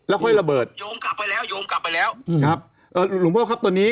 ค่อยระเบิดโยงกลับไปแล้วโยงกลับไปแล้วอืมครับเอ่อหลวงพ่อครับตอนนี้